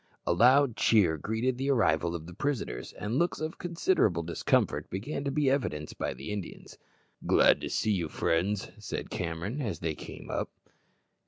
A loud cheer greeted the arrival of the prisoners, and looks of considerable discomfort began to be evinced by the Indians. "Glad to see you, friends," said Cameron, as they came up.